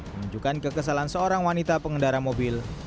menunjukkan kekesalan seorang wanita pengendara mobil